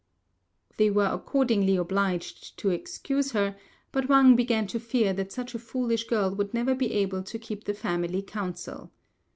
They were accordingly obliged to excuse her, but Wang began to fear that such a foolish girl would never be able to keep the family counsel.